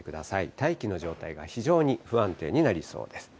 大気の状態が非常に不安定になりそうです。